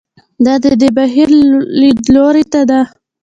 دا د دې بهیر لیدلوري ته ده.